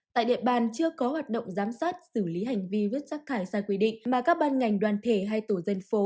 tại địa bàn chưa có hoạt động giám sát xử lý hành vi vứt rác thải sai quy định mà các ban ngành đoàn thể hay tổ dân phố